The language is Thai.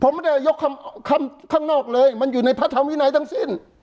ผมไม่ได้ยกคำคำข้างนอกเลยมันอยู่ในพระธรรมวินัยทั้งสิ้น